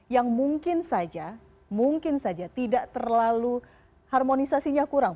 yang mungkin saja mungkin saja tidak terlalu harmonisasinya kurang